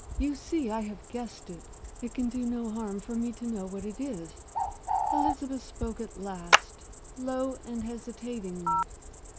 "You see I have guessed it it can do no harm for me to know what it is." Elizabeth spoke at last, low and hesitatingly.